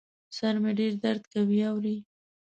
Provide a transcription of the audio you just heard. سر مي ډېر درد کوي ، اورې ؟